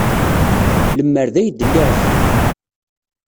Lemmer d ay d-lliɣ d kemm.